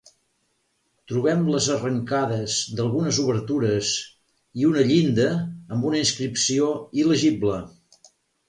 Trobem les arrencades d'algunes obertures i una llinda amb una inscripció il·legible.